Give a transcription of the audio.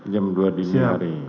jam dua dini hari